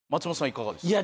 いかがですか？